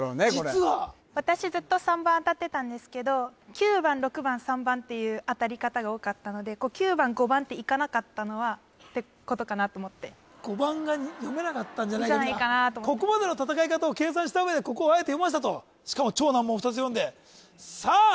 実は私ずっと３番当たってたんですけど９番６番３番っていう当たり方が多かったので９番５番っていかなかったのはってことかなと思ってじゃないかなと思ってここまでの戦い方を計算した上でここをあえて読ませたとしかも超難問２つ読んでさあ